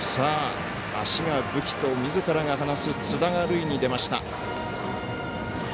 足が武器とみずからが話す津田が塁に出ました。